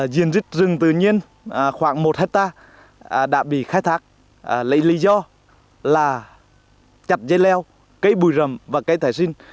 diện rừng tự nhiên khoảng một hectare đã bị khai thác lấy lý do là chặt dây leo cây bùi rầm và cây thải sinh